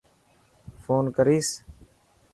فون ڪريس.